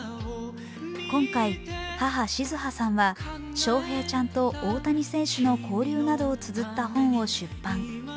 今回、母・静葉さんは翔平ちゃんと大谷選手の交流などをつづった本を出版。